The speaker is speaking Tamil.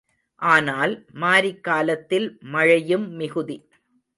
ஆனால், மாரிக் காலத்தில் மழையும் மிகுதி.